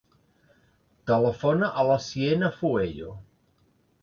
Telefona a la Siena Fueyo.